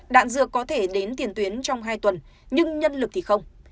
đạn dược có thể đến tiền tuyến trong hai tuần nhưng nhân lực thì không